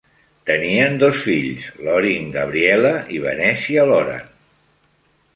Tenien dos fills, Lorin Gabriella i Venezia Loran.